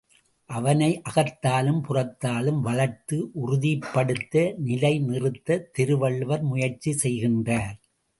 அவனை அகத்தாலும் புறத்தாலும் வளர்த்து உறுதிப்படுத்த நிலைநிறுத்த திருவள்ளுவர் முயற்சி செய்கின்றார்.